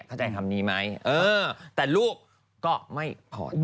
เข้าใจคำนี้ไหมแต่ลูกก็ไม่พอใจ